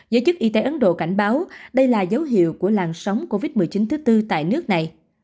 giới chức y tế ấn độ cảnh báo đây là dấu hiệu của làn sóng covid một mươi chín thứ tư tại nước này